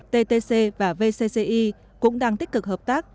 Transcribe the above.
ttc và vcci cũng đang tích cực hợp tác